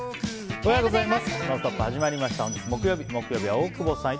おはようございます。